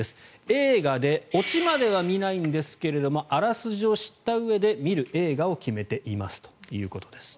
映画でオチまでは見ないんですがあらすじを知ったうえで見る映画を決めていますということです。